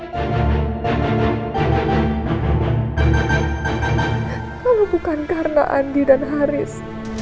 kalau bukan karena andi dan haris